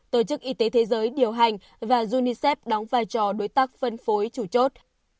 tổ chức y tế thế giới điều hành và unicef đóng vai trò đối tác phân phối chủ chốt